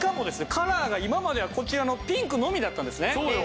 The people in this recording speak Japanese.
カラーが今まではこちらのピンクのみだったんですね。